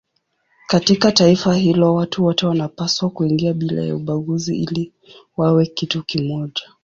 Katika taifa hilo watu wote wanapaswa kuingia bila ya ubaguzi ili wawe kitu kimoja.